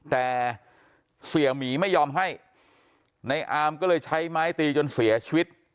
แต่เสียหมีไม่ยอมให้ในอามก็เลยใช้ไม้ตีจนเสียชีวิต